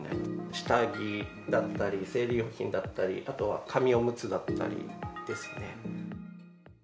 下着だったり、生理用品だったり、あとは紙おむつだったりですね。